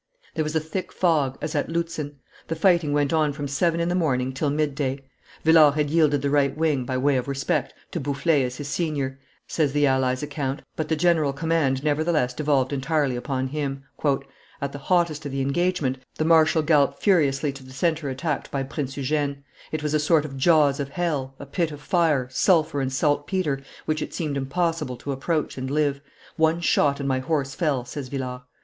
There was a thick fog, as at Lutzen; the fighting went on from seven in the morning till midday. Villars had yielded the right wing, by way of respect, to Bouffiers as his senior, says the allies' account, but the general command nevertheless devolved entirely upon him. "At the hottest of the engagement, the marshal galloped furiously to the centre attacked by Prince Eugene. It was a sort of jaws of hell, a pit of fire, sulphur, and saltpetre, which it seemed impossible to approach and live. One shot and my horse fell," says Villars.